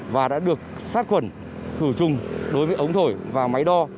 và đã được sát khuẩn thử trung đối với ống thổi và máy đo